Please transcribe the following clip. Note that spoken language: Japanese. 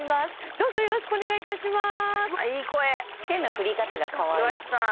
どうぞよろしくお願いいたしまーす！